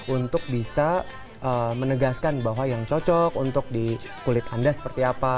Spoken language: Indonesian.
untuk bisa menegaskan bahwa yang cocok untuk di kulit anda seperti apa